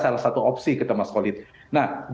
sebaliknya dengan pks misalnya soal waktu dan dan perbedaan